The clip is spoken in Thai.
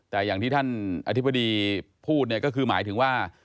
แต่ที่ท่านอธิบดีพูดก็หมายถึงว่า